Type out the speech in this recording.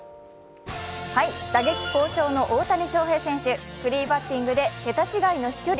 打撃好調の大谷翔平選手、フリーバッティングで桁違いの飛距離。